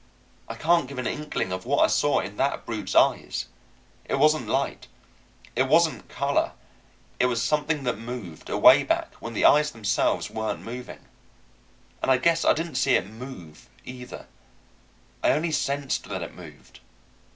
I can't give an inkling of what I saw in that brute's eyes; it wasn't light, it wasn't color; it was something that moved, away back, when the eyes themselves weren't moving. And I guess I didn't see it move, either; I only sensed that it moved.